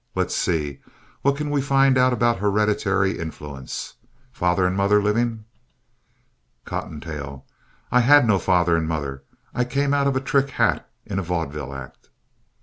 Let's see what we can find out about hereditary influence. Father and mother living? COTTONTAIL I had no father or mother. I came out of a trick hat in a vaudeville act.